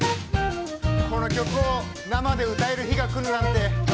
この曲を生で歌える日が来るなんて。